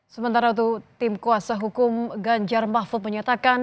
sementara itu tim kuasa hukum ganjar mahfud menyatakan